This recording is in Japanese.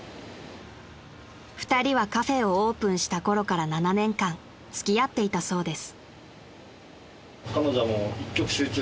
［２人はカフェをオープンしたころから７年間付き合っていたそうです］